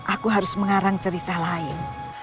aku harus mengarang cerita lain